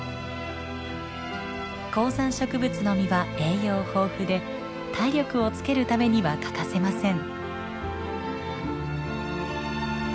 高山植物の実は栄養豊富で体力をつけるためには欠かせません。